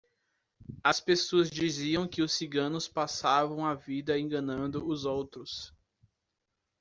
As pessoas diziam que os ciganos passavam a vida enganando os outros.